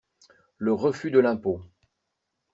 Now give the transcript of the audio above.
Le refus de l'impôt!